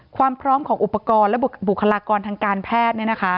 ความพร้อมของอุปกรณ์และบุคลากรทางการแพทย์